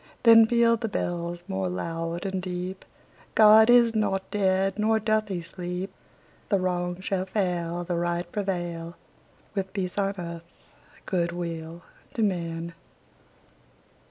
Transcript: Then pealed the bells more loud and deep: "God is not dead; nor doth he sleep! The Wrong shall fail, The Right prevail, With peace on earth, good will to men!"